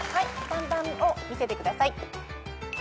３番を見せてください。